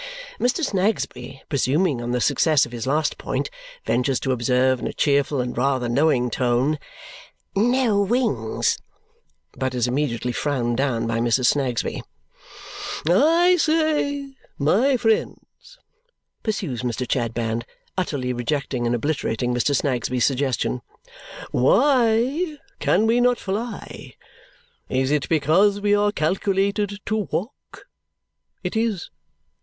Mr. Snagsby, presuming on the success of his last point, ventures to observe in a cheerful and rather knowing tone, "No wings." But is immediately frowned down by Mrs. Snagsby. "I say, my friends," pursues Mr. Chadband, utterly rejecting and obliterating Mr. Snagsby's suggestion, "why can we not fly? Is it because we are calculated to walk? It is.